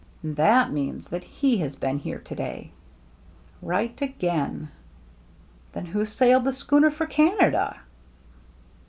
" And that means that he has been here to day." " Right again." " Then who sailed the schooner for Can ada